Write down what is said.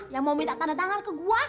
yang mau minta tanda tangan ke gue